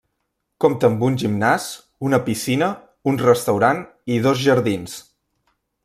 Compta amb un gimnàs, una piscina, un restaurant i dos jardins.